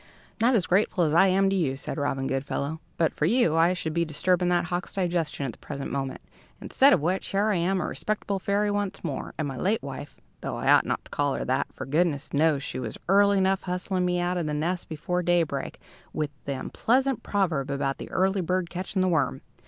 "Not as grateful as I am to you," said Robin Goodfellow. "But for you I should be disturbing that hawk's digestion at the present moment, instead of which, here I am, a respectable fairy once more, and my late wife (though I ought not to call her that, for goodness knows she was early enough hustling me out of my nest before daybreak, with the unpleasant proverb about the early bird catching the worm!)